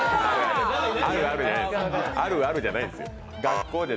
あるあるじゃないんですよ。